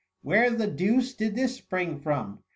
" Where the deuce did this spring from